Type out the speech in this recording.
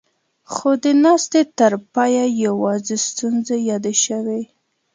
خو د ناستې تر پايه يواځې ستونزې يادې شوې.